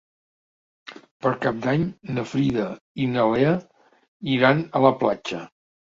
Per Cap d'Any na Frida i na Lea iran a la platja.